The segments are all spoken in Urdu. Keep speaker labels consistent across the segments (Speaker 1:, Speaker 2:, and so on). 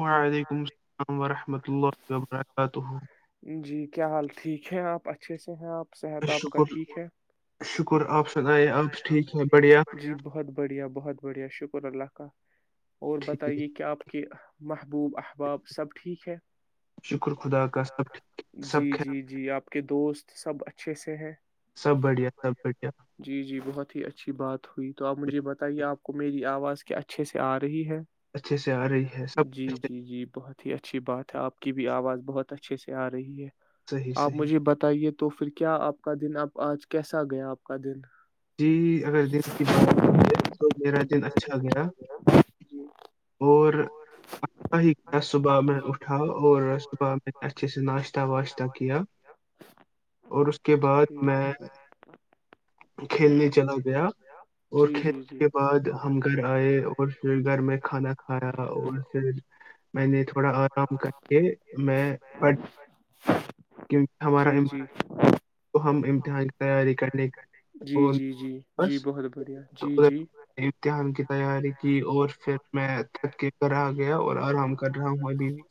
Speaker 1: وعلیکم السلام ورحمۃ اللہ وبرکاتہ
Speaker 2: چھ سے ہیں آپ صحت آپ کا ٹھیک ہے شکر آپپ ج بہت بڑھیا بہت بڑھیا شکر اللہ کاہ اور بتائیے کیا آپ کے محبوب احباب سب ٹھیک ہے جی جی جی آپ کے دوست سب اچھے سے ہیں [inaudible] کہ اچھے سے آ رہی ہے جی جی جی بہت ہی اچھا اچھی بات ہے آپ کیی بھی آواز بہت اچھے سے آ رہی ہے آپ مجھے بتائیے تو پھر کیا آپ کا دن اب آج کیسا گیا آپ کا دن
Speaker 1: جی اگر دن کی بات ہوائے تو میرا دن اچا چ گیرا اور آتا ہی صبح میں اٹھا اور صبح میں اچھے سے ناشتہ واشتہ کیا اور اس کے بعد میں کھیلنے چلا گیا اور کھیلنے کے بعد ہم گھر آئے اور پھر گھر میں کھانا کھایا اور پھر میں نے تھوڑا آرام کر کے میں کیونکہ ہمارا تو ہم ان کی تیاری کرنی
Speaker 2: جی جی جی جی بہت بڑھیا جی جی
Speaker 1: تیاری کی اور پھر میں تھک کے گ آ گیا اور آرام کر رہا ہوں ابھی بھی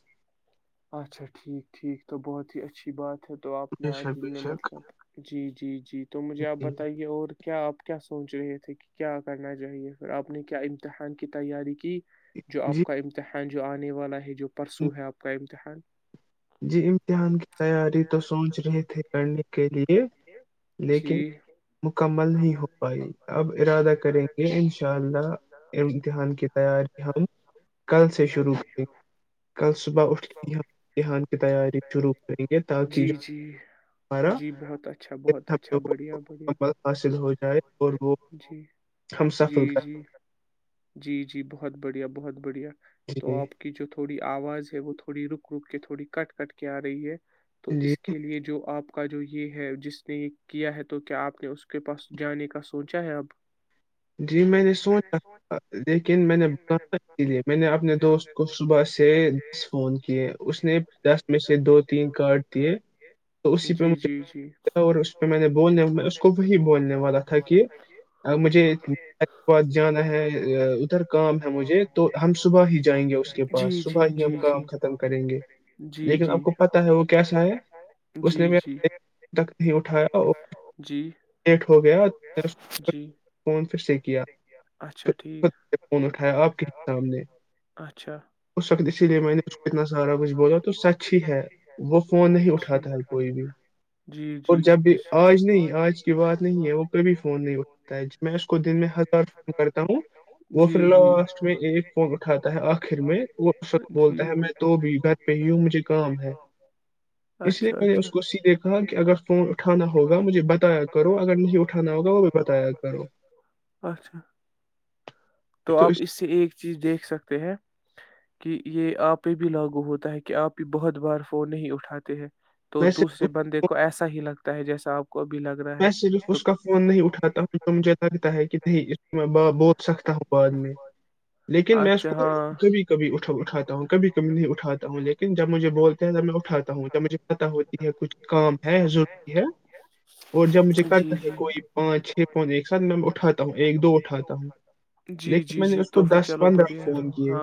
Speaker 2: اچھا ٹھیک ٹھیک تو بہت ہی اچھی بات تو آپ نے آ جن میں مطلب جی جی جی تو مجھے آپ بتائیے اور کیا آپ کیا سوچ رہے تھے کہ کیا کرنا چاہیے پھر آپ نے کیا امتحان کی تیاری کی جو آپ کا امتحان ہ جو آنے والا ہے جو پرسو ہے آپ کا [inaudible]
Speaker 1: جی امتحان کی تیاری تو سوچ رہے تھے کرنے کے لیے لیکن مکمل نہیں ہو ائی اب ارادہ کریں گے ان شاء اللہ امتحان کی تیاری ہم کل سے شروع کریں گے کل صبح اٹھ کے احان کی تیاری ش روک یں گے تاکہ جو ہمارا مکمل حاصل ہو جائے اور
Speaker 2: جی جی جی جی جی بہت بڑھیا بہت بڑھیا تو آپ کی جو تھوڑی آواز ہے وہ تھوڑی رک گروپ کے تھوڑی کٹ کٹ کے آ رہی ہے تو اس کے لیے جو آپ جو یہ ہے جس نے یہ کیا ہے تو کیا آپ نے اس کے پاس جانے کا سو سوچا ہے اب
Speaker 1: جی میں نے سوچا تھا لیکن میں نے ب اسی لیے میں نے اپنے دوست کو صبح سے دس فون کیے اس نے دس میں سے دو تین کارڈ دیے تو اسی پہ مجھے اور اس پہ میں نے بولنے اس کو وہی بولنے والا تھا کہ اور مجھے ب جانا ہے ادھر کام ہے مجھے تو ہم صبح ہی جائیں گے اس کے پاس صبح ہی ہم کام ختم کریں گے لیکن آپ کو پتہ ہے وہ کیسا ہے اس نے م تک نہیں اٹھایا لیٹ ہو گیا
Speaker 2: جی
Speaker 1: فون پھر سیک آ ہے آپ کے سامنے ہو شک اسی لیے میں نے اس کو اتنا سارا کچھ بولا تو سچ ہی ہے وہ فون نہیں اٹھاتا ہے کوئی بھی اور جب بھی آج نہیں آج کی بات نہیں ہے وہ کبھی فون نہیں اٹھاتا ہے میں اس کو دن میں ہزار فون کرتا ہوں وہ پھر لاسٹ میں ایک فون اٹھاتا ہے آخر میں وہ بولتا ہے میں تو بھی گھر پہ ہی ہوں مجھے کام ہے اس لیے میں نے اس کو سیدھے کہا کہ اگر فون اٹھانا ہوگا مجھے بتایا کرو اگر نہیں اٹھانا ہوگا وہ بھی بتایا کرو
Speaker 2: اچھا تو آپ اس سے ایک چیز دیکھ سکتے ہیں کہ یہ آپہ بھی لاگو ہوتا ہے کہ آپ بھی بہت بار فون نہیں اٹھاتے ہیں تو دوسرے بندے کو ایسا ہی لگتا تہجہ صاحب
Speaker 1: میں صرف اس کا فون نہیں اٹھاتا ہوں تو مجھے لگتا ہے کہ نہیں میں بت سکتا ہوں بعد میں لیکن میں اس کو کبھی ک کبھی اٹھ اٹھاتا ہوں کبھی کبھی نہیں اٹھاتا ہوں لیکن جب مجھے بولتے ہیں تب میں اٹھاتا ہوں جب مجھے پت ہوتی ہے کچھ کام ہے ضروری ہے اور جب مجھے کرتا ہے کوئی پانچ چھ پچ ایک ساتھ میں اٹھاتا ہوں ایک دو اٹھاتا ہوں لیکن میں نے اس کو دس پندرہ فون کیے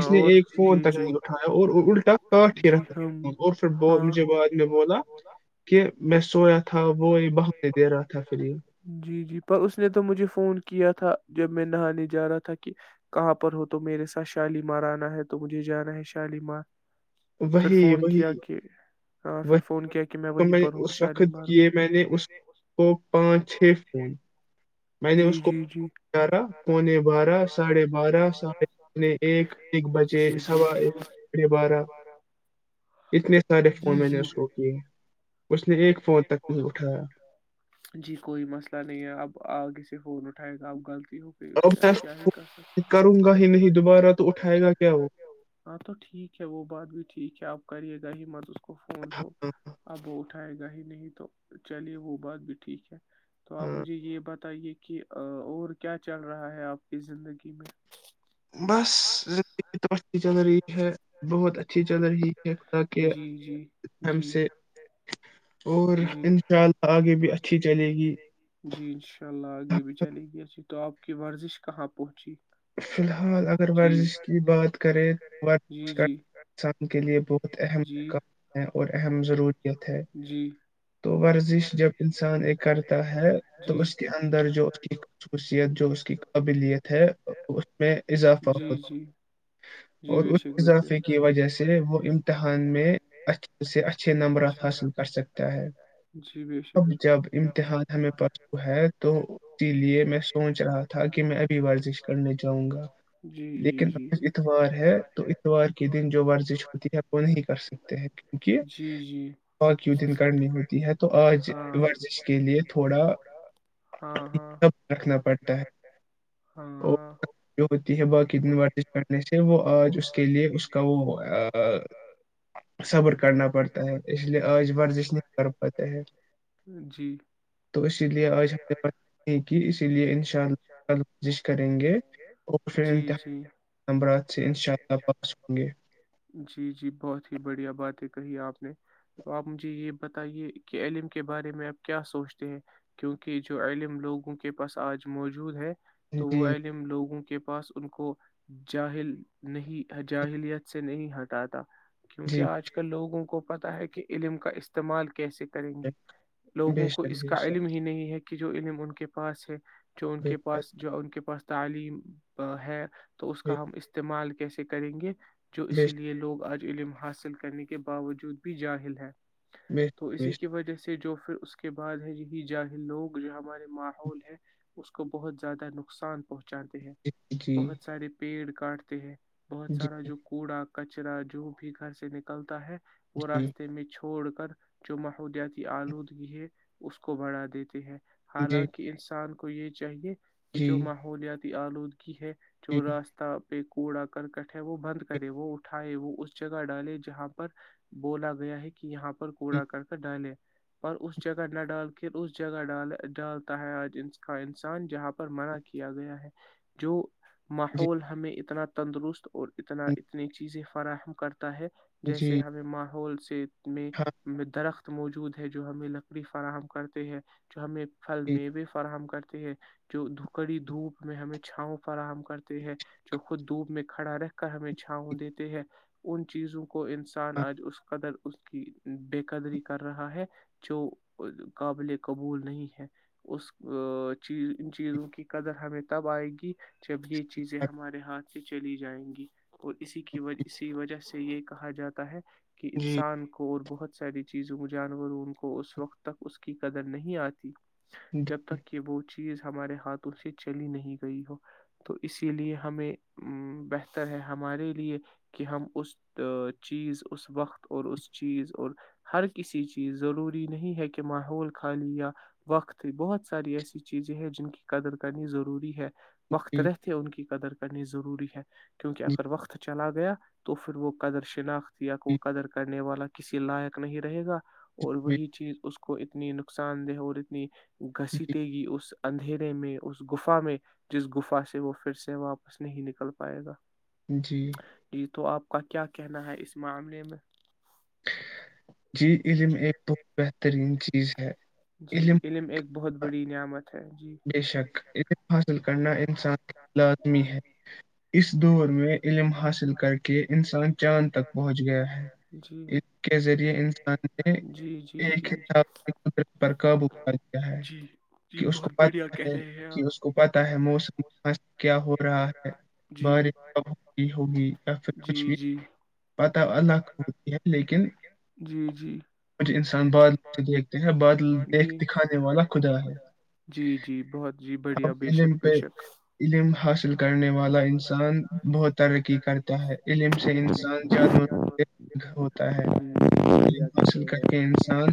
Speaker 1: اس نے ایک فون تک نہیں اٹھایا اور الٹا کاٹ ہی رکھا اور پھر مجھے بعد میں بولا کہ میں سویا
Speaker 2: جی جی پر اس نے تو مجھے فون کیا تھا جب میں نہانے جا رہا تھا کہ کہاں پر ہو تو میرے ساتھ شالیمار آنا ہے تو مجھے جانا ہے شالیمار
Speaker 1: وہی وہی وہ میں نے اس وقت کیے میں نے اس کو پانچ چھ فون میں نے اس کوارا پونے بارہ ساڑھے بارہ ساڑھے پنے ایک بجے سوا ایک اے بارہ اتنے سارے فون میں نے اس کو کیے ہیں
Speaker 2: جی کوئی مسئلہ نہیں ہے اب آگے سے فون اٹھائے گا آپ غلط ہاں تو ٹھیک ہے وہ بات بھی ٹھیک ہے آپ کریے گ د ہیی مات کو فون تو ابو اٹھائے گا ہی نہیں تو چلیے وہ بات بھی ٹھیک ہے تو آپ مجھے یہ بات بت یہے کہ اور کیا چل رہا ہے آپ کی زندگی میں
Speaker 1: بس چل رہی ہے بہت اچھی چل رہی ہے خدا کےم سے
Speaker 2: جیءگ بھی اچھی چلے گی جی انشاء اللہ آگے بھی چلے گی تو آپ کی ورزش کہاں پہنچی
Speaker 1: فی الحال اگر ورزش کی بات کریں تو ورزش کرنا انسان کے لیے بہت اہم کام ہے اور اہم ضروریت ہے تو ورزش جب انسان ایک کرتا ہے تو اس کے اندر جو اس کی خصوصیت جو اس کی قابلیت ہے اس میں اضافہ ہو اور اس اضافے کی وجہ سے وہ امتحان میں اچھے سے اچھے نمبرات حاصل کر سکتا ہے اب جب امتحان ہمیں پ ہے تو اسی لیے میں سوچ رہا تھا کہ میں ابھی ورزش جاؤں گا لیکن آج اتوار تو اتوار کے دن جو ورزش ہوتی ہے وہ نہیں کر سکتے ہیں کیونکہ واقیوں دن کرنی ہوتی ہے تو آج ورزش کے لیے تھوڑا رکھنا پڑتا ہے او ہوتی ہے باقی اتنےارٹیسپینٹ وہ آج اس کے لیے اس کا وہ صبر کرنا پڑتا ہے اسی لیے آج ورزش نہیں کر پاتے ہیں تو اسی لیے آج ہم نے نہیں کی اسی لیے ان شاء اللہ ورزش کریں گے اور پھر انتا
Speaker 2: جی جی بہت ہی بڑھیا بات ہے کہی آپ نے تو آپ مجھے یہ بتائیے کہ علم کے بارے میں آپ کیا سوچتے ہیں کیونکہ جو علم لوگوں کے پاس آج موجود ہے تو وہ علم لوگوں کے پاس ان کو جاہل نہیں جاہلیت سے نہیں ہٹاتا کیونکہ آج کل لوگوں کو پتا ہے کہ علم کا استعمال کیا کیسے کریں گے لوگوں کو اس کا علم ہی نہیں ہے کہ کہ جو علم ان کے پاس ہے جو ان کے پاس جو ان کے پاس تعلیم ہے تو اس کا ہم استعمال کیسے کریں گے جو اسی لیے لوگ آج علم حاصل کرنے کے باوجود بھی جاہل ہے تو اسی کی وجہ سے جو پھر اس کے بعد ہے یہی جاہل لوگ جو ہمارے ماحول ہے اس کو بہت زیادہ نقصان پہنچ
Speaker 1: جی
Speaker 2: پیڑ کاٹتے ہیں بہت سارا جو کوڑا کچرا جو بھی گھر سے نکلتا ہے وہ رستتے میں چو چھوڑ کر جو ماحولیاتی آلودگی ہے اس کو بڑھا دیتے ہیں حالانکہ انسان کو کو یہ چاہیے یہ جو ماحولیات آلودگی ہے جو راستہ پہ کوڑا کرکڈ ہے وہ بند کرے وہ اٹا وہ اس جگہ ڈالے جہاں پر بولا گیا ہے کہ یہاں پر کوڑا کرکڈ ڈالے پر اس جگہ نہ ڈال کے اس جگہ ڈال ڈالتا ہے آج ان کا انسان جہاں پر منع کیا گیا ہے جو ماحول ہمیں اتنا تندرست اور اتنا اتنی چیزیں فراہم کرتے ہے جیسے ہمیں ماحول سے میں میں درخت موجود ہے جو ہمیں لکڑی فراہم کرتے ہیں جو ہمیں پل میں بھی فراہم کر جو دکڑی دھوپ میں ہمیں چھاؤں فراہم کرتے ہیں جو خود دھوپ میں کھڑا رہ کر ہمیں چھاؤں دیتے ہیں ان چیزوں کو کو انسان آج اس قدر اس کی بے قدری کر رہا ہے جو قابل قبول نہیں ہے اس چی ان چیزوں کی قدر ہمیں تب آئے گی جب یہ چیزیں ہمارے ہاتھ سے چلی جائیں گی اور اسی کی وجہ اسی وجہ سے یہ کہا جاتا ہے کہ انسان کو اور بہت ساری چیزوں میں جانوروں ان کو اس وقت تک اس کی قدر نہیں آتی جب تک کہ وہ چیز چیز ہمارے ہاتھوں سے چلی نہیں گئی ہو تو اسی لیے ہمیں بہتر ہے ہمارے لیے کہ ہم اس چیز اس وقت اور اس چیز اور ہر کسی چیز ضروری نہیں ہے کہ ماحول خالی یا وقت بہت ساری ایسی چیزیں ہیں جن کی قدر کرنی ضروری ہے وقت رہتے ان کی قدر کرنی ضروری ہے کیونکہ اگر وقتہ چلا گیا تو پھر وہ قدر شناخ سیا کو قدر کرنے والا کسی لائق نہیں رہے گا اور وہی چیز اس کو کو اتنی نقصان دہ اور اتنی گسیٹی گی اس اندھیرے میں اس گفا میں جس گفا سے وہ پھر سے واپس نہیں نکل پائے گا
Speaker 1: جی
Speaker 2: کا کیا کہنا ہے اس معاملے میں
Speaker 1: چیز ہے
Speaker 2: [unintelligible] بہت بڑی نعمت
Speaker 1: [unintelligible] حاصل کرنا انسان لازمی ہے اس دور میں علم حاصل کر کے انسان چاند تک پہنچ گیا ہے کے ذریعے انسان نے ایکاب قرت پر قابو پا دیا ہے کہ اس کو [inaudible] موسم کیا ہو رہا ہے بارش اب ہو ہوگی یا پھر کچھ بھی پتہ الگ ہوتی ہے لیکن کھ انسان بادل سے دیکھتے ہیں بادل دیکھ دکھانے والا خدا ہے
Speaker 2: جی جی بہت جی بڑھیا بے شک
Speaker 1: پہ علم حاصل کرنے والا انسان بہت ترقی کرتا ہے علم سے انسان جد م ہوتا ہے علم حاصل کر کے انسان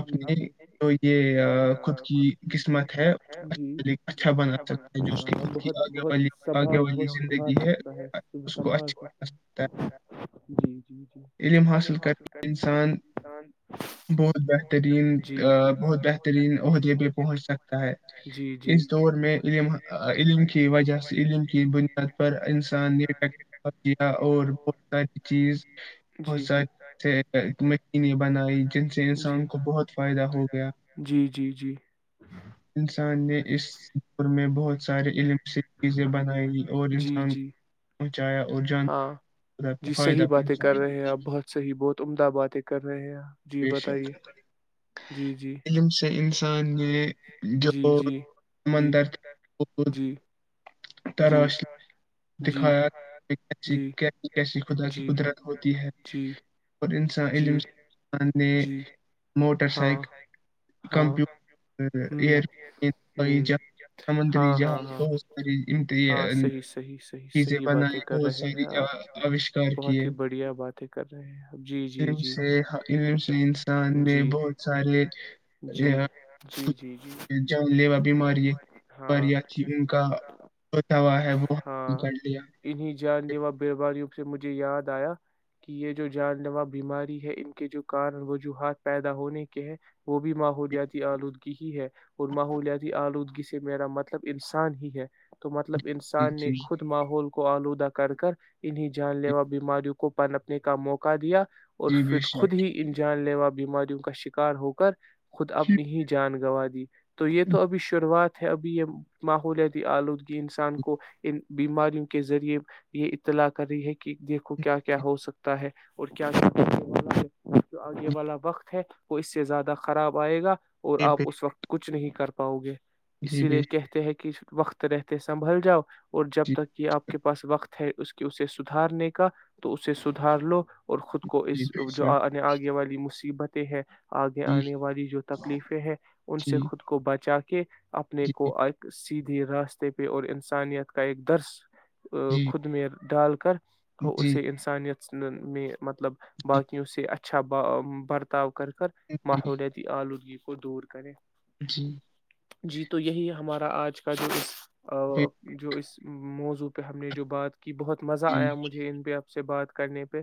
Speaker 1: اپنی تو یہ خود کی قسمت ہے اچھا [inaudible] سکتا ہے اس دور میں علم علم کی وجہ سے علم کی بنیاد پر انسان نے ٹیکنالوجیاں اور بہت ساری چیز بہت ساری مشینیں بنائیں جن سے انسان کو بہت فائدہ ہو گیا انسان نے اس پور میں بہت سارے علم سے چیزیں بنائی اور انسان
Speaker 2: [inaudible]
Speaker 1: انسان یہ جو سمندر تھا وہ تراش دکھایا کیسی خدا کی قدرت ہوتی ہے علمان موٹر سائیکل کمپیوٹرلاز سمندری جہاز
Speaker 2: ہاں صحی صحیح صحیح صحیح باتیں کر رہے ہیں آپ بہت ہی بڑھیا باتیں کر رہے ہیں
Speaker 1: [inaudible]
Speaker 2: [inaudible] ہاں انہیں جان لیوا بڑباری روپ سے مجھے یاد آیا کہ یہ جو جان لوا بیماری ہے ان کے جو کارن وجوہات پیدا ہونے کے ہیں وہ بھی ماحولیاتی آلودگی ہی ہے اور مالیات آلودگی سے میرا مطلب انسان ہی ہے تو مطلب ملب انسان نے خود ماحول کو کو آلودہ کر کر انہیں جان لیوا بیماریوں کو پنپنے کا موقع دیا اور خود ہی انجان لیوا پ بیماریوں کا شکار ہو کر خود اپنی ہی جان گوا دی تو توب شروعات ابھی یہ ماحولیاتی آلودگی انسان کو ان بیماریوں کے ذریعے یہ اطلاع کر رہی ہے کہ دیکھو کیا کیا ہو سکتا ہے اور کیا کیا اب تو آگے والا وقت ہے وہ اس سے زیادہ خراب آئے گا اور آپ اس وقت کچھ کچ نہیں کرتے پاؤ گے اسی لیے کہتے ہیں کہ وقت رہتے سنبھل جاؤ اور جب تک یہ آپ کے پاس وقت ہے اس کے اسے سدھارنے کا تو اسے سدھار لو اور خود کو اس جو آنے آگے والی م مصیبتیں ہے آگے آنے والی جو تکلیفیں ہیں ان سے خود کو بچ جا کے [unintelligible] اپنے کو ایک سیدھے راستے پہ اور انسانیت کا ایک درس ا خود میر ڈال ہو اسے انسانیت [unintelligible] میں مطلب باقیوں سے اچھا اچھا ب برتاؤ کر کر ماحولیاتی آلودگی کو کو دور کرے
Speaker 1: جی
Speaker 2: جی تو یہی ہمارا آج کا جو اس اور جو اس موضوع پہ ہم نے جو بات کہ بہت مزہ آیا مجھے ان پہ سے بات کرنے پہ